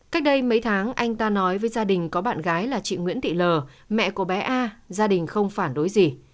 cách đây mấy tháng anh ta nói với gia đình có bạn gái là chị nguyễn thị l mẹ của bé a gia đình không phản đối gì